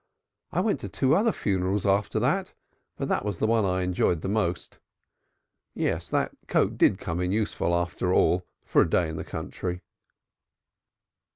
I went to two other funerals after that, but that was the one I enjoyed most. Yes, that coat did come in useful after all for a day in the country."